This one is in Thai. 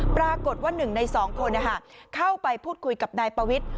ปรากฏว่า๑ใน๒คนเข้าไปพูดคุยกับนายปวิทย์